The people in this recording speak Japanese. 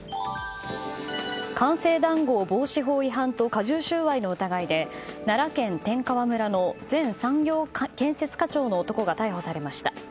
官製談合防止法違反と加重収賄の疑いで奈良県天川村の前産業建設課長の男が逮捕されました。